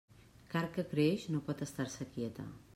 Carn que creix, no pot estar-se quieta.